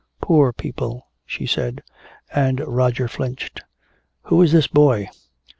"Poor people," she said. And Roger flinched. "Who is this boy?"